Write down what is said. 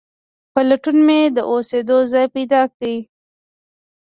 په لټون مې د اوسېدو ځای پیدا کړ.